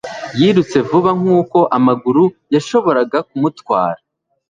Yirutse vuba nkuko amaguru yashoboraga kumutwara